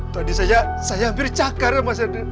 tadi saya hampir cakar ya mas yadir